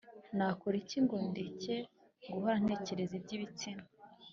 Nakora iki ngo ndeke guhora ntekereza iby ibitsina